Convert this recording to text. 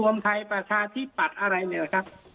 รวมไทยประชาทิพัธิ์อะไรนะครับ